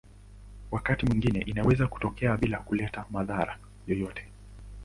Wakati mwingine inaweza kutokea bila kuleta madhara yoyote.